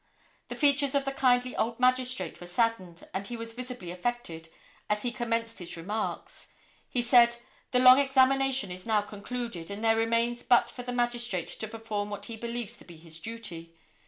The features of the kindly old magistrate were saddened, and he was visibly affected as he commenced his remarks. He said: "The long examination is now concluded, and there remains but for the magistrate to perform what he believes to be his duty.